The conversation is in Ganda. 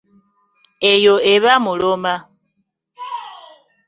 Eyo eba muloma.